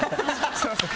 すみません